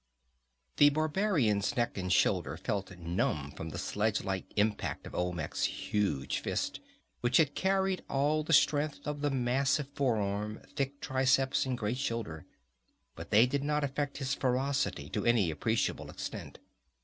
The barbarian's neck and shoulder felt numb from the sledge like impact of Olmec's huge fist, which had carried all the strength of the massive forearm, thick triceps and great shoulder. But this did not affect his ferocity to any appreciable extent.